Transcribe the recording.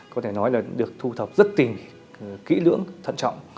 có thể nói là được thu thập rất tỉ kỹ lưỡng thận trọng